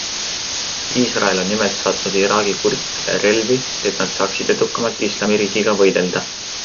Iisrael on nimelt saatnud Iraagi kurdidele relvi, et nad saaksid edukamalt Islamiriigiga võidelda.